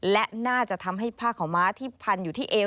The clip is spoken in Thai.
และน่าจะทำให้ผ้าขาวม้าที่พันอยู่ที่เอว